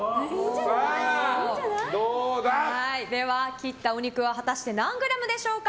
切ったお肉は果たして何グラムでしょうか。